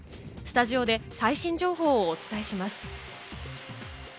スタジオで最新情報をお伝えします。